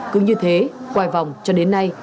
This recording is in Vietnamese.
cứ như thế quài vòng cho đến nay